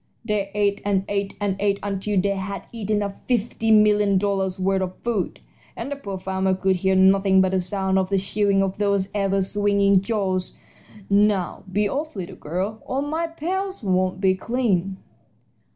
They ate and ate and ate until they had eaten up fifty million dollars' worth of food, and the poor farmer could hear nothing but the sound of the chewing of those ever swinging jaws. Now, be off, little girl, or my pails won't be clean."